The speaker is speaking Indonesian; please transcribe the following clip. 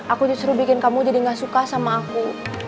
aku justru bikin kamu jadi gak suka sama aku